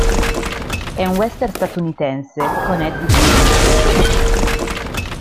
È un western statunitense con Eddie Dean.